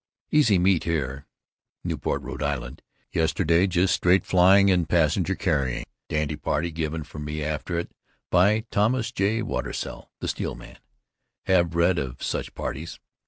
Easy meet here (Newport, R.I.) yesterday, just straight flying and passenger carrying. Dandy party given for me after it, by Thomas J. Watersell, the steel man. Have read of such parties.